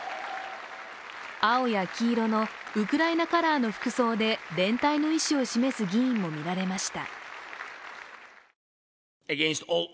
青や黄色のウクライナカラーの服装で連帯の意思を示す議員も見られました。